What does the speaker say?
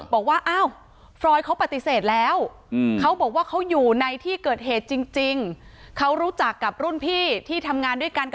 บอกว่าฟรอยก็ปฏิเสธแล้วเขาบอกว่าเขาอยู่ในที่เกิดเหตุจริง